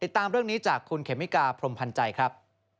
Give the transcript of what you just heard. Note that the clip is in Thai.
ตามเรื่องนี้จากคุณเขมิกาพรมพันธ์ใจครับ